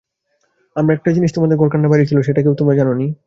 আমার একটা জিনিস তোমাদের ঘরকন্নার বাইরে ছিল, সেটা কেউ তোমরা জান নি।